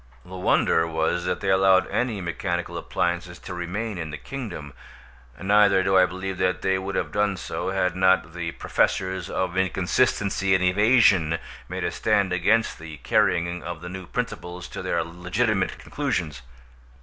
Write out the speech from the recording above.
The wonder was that they allowed any mechanical appliances to remain in the kingdom, neither do I believe that they would have done so, had not the Professors of Inconsistency and Evasion made a stand against the carrying of the new principles to their legitimate conclusions.